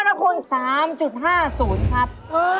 รวมแล้วนะคุณ๓๕๐ครับ